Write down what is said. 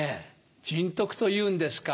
人徳というんですか。